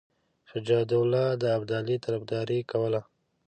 شجاع الدوله د ابدالي طرفداري کوله.